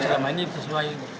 selama ini sesuai